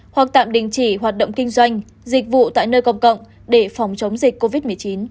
hoặc tạm đình chỉ hoạt động kinh doanh dịch vụ tại nơi công cộng để phòng chống dịch covid một mươi chín